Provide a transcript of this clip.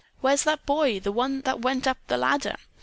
"Where's that boy? The one that went up the ladder?"